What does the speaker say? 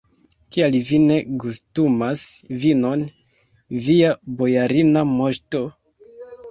Kial vi ne gustumas vinon, via bojarina moŝto?